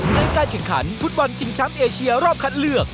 ในการกันขันภูตวันชิงช้ำเอเชียรอบคัดเลือก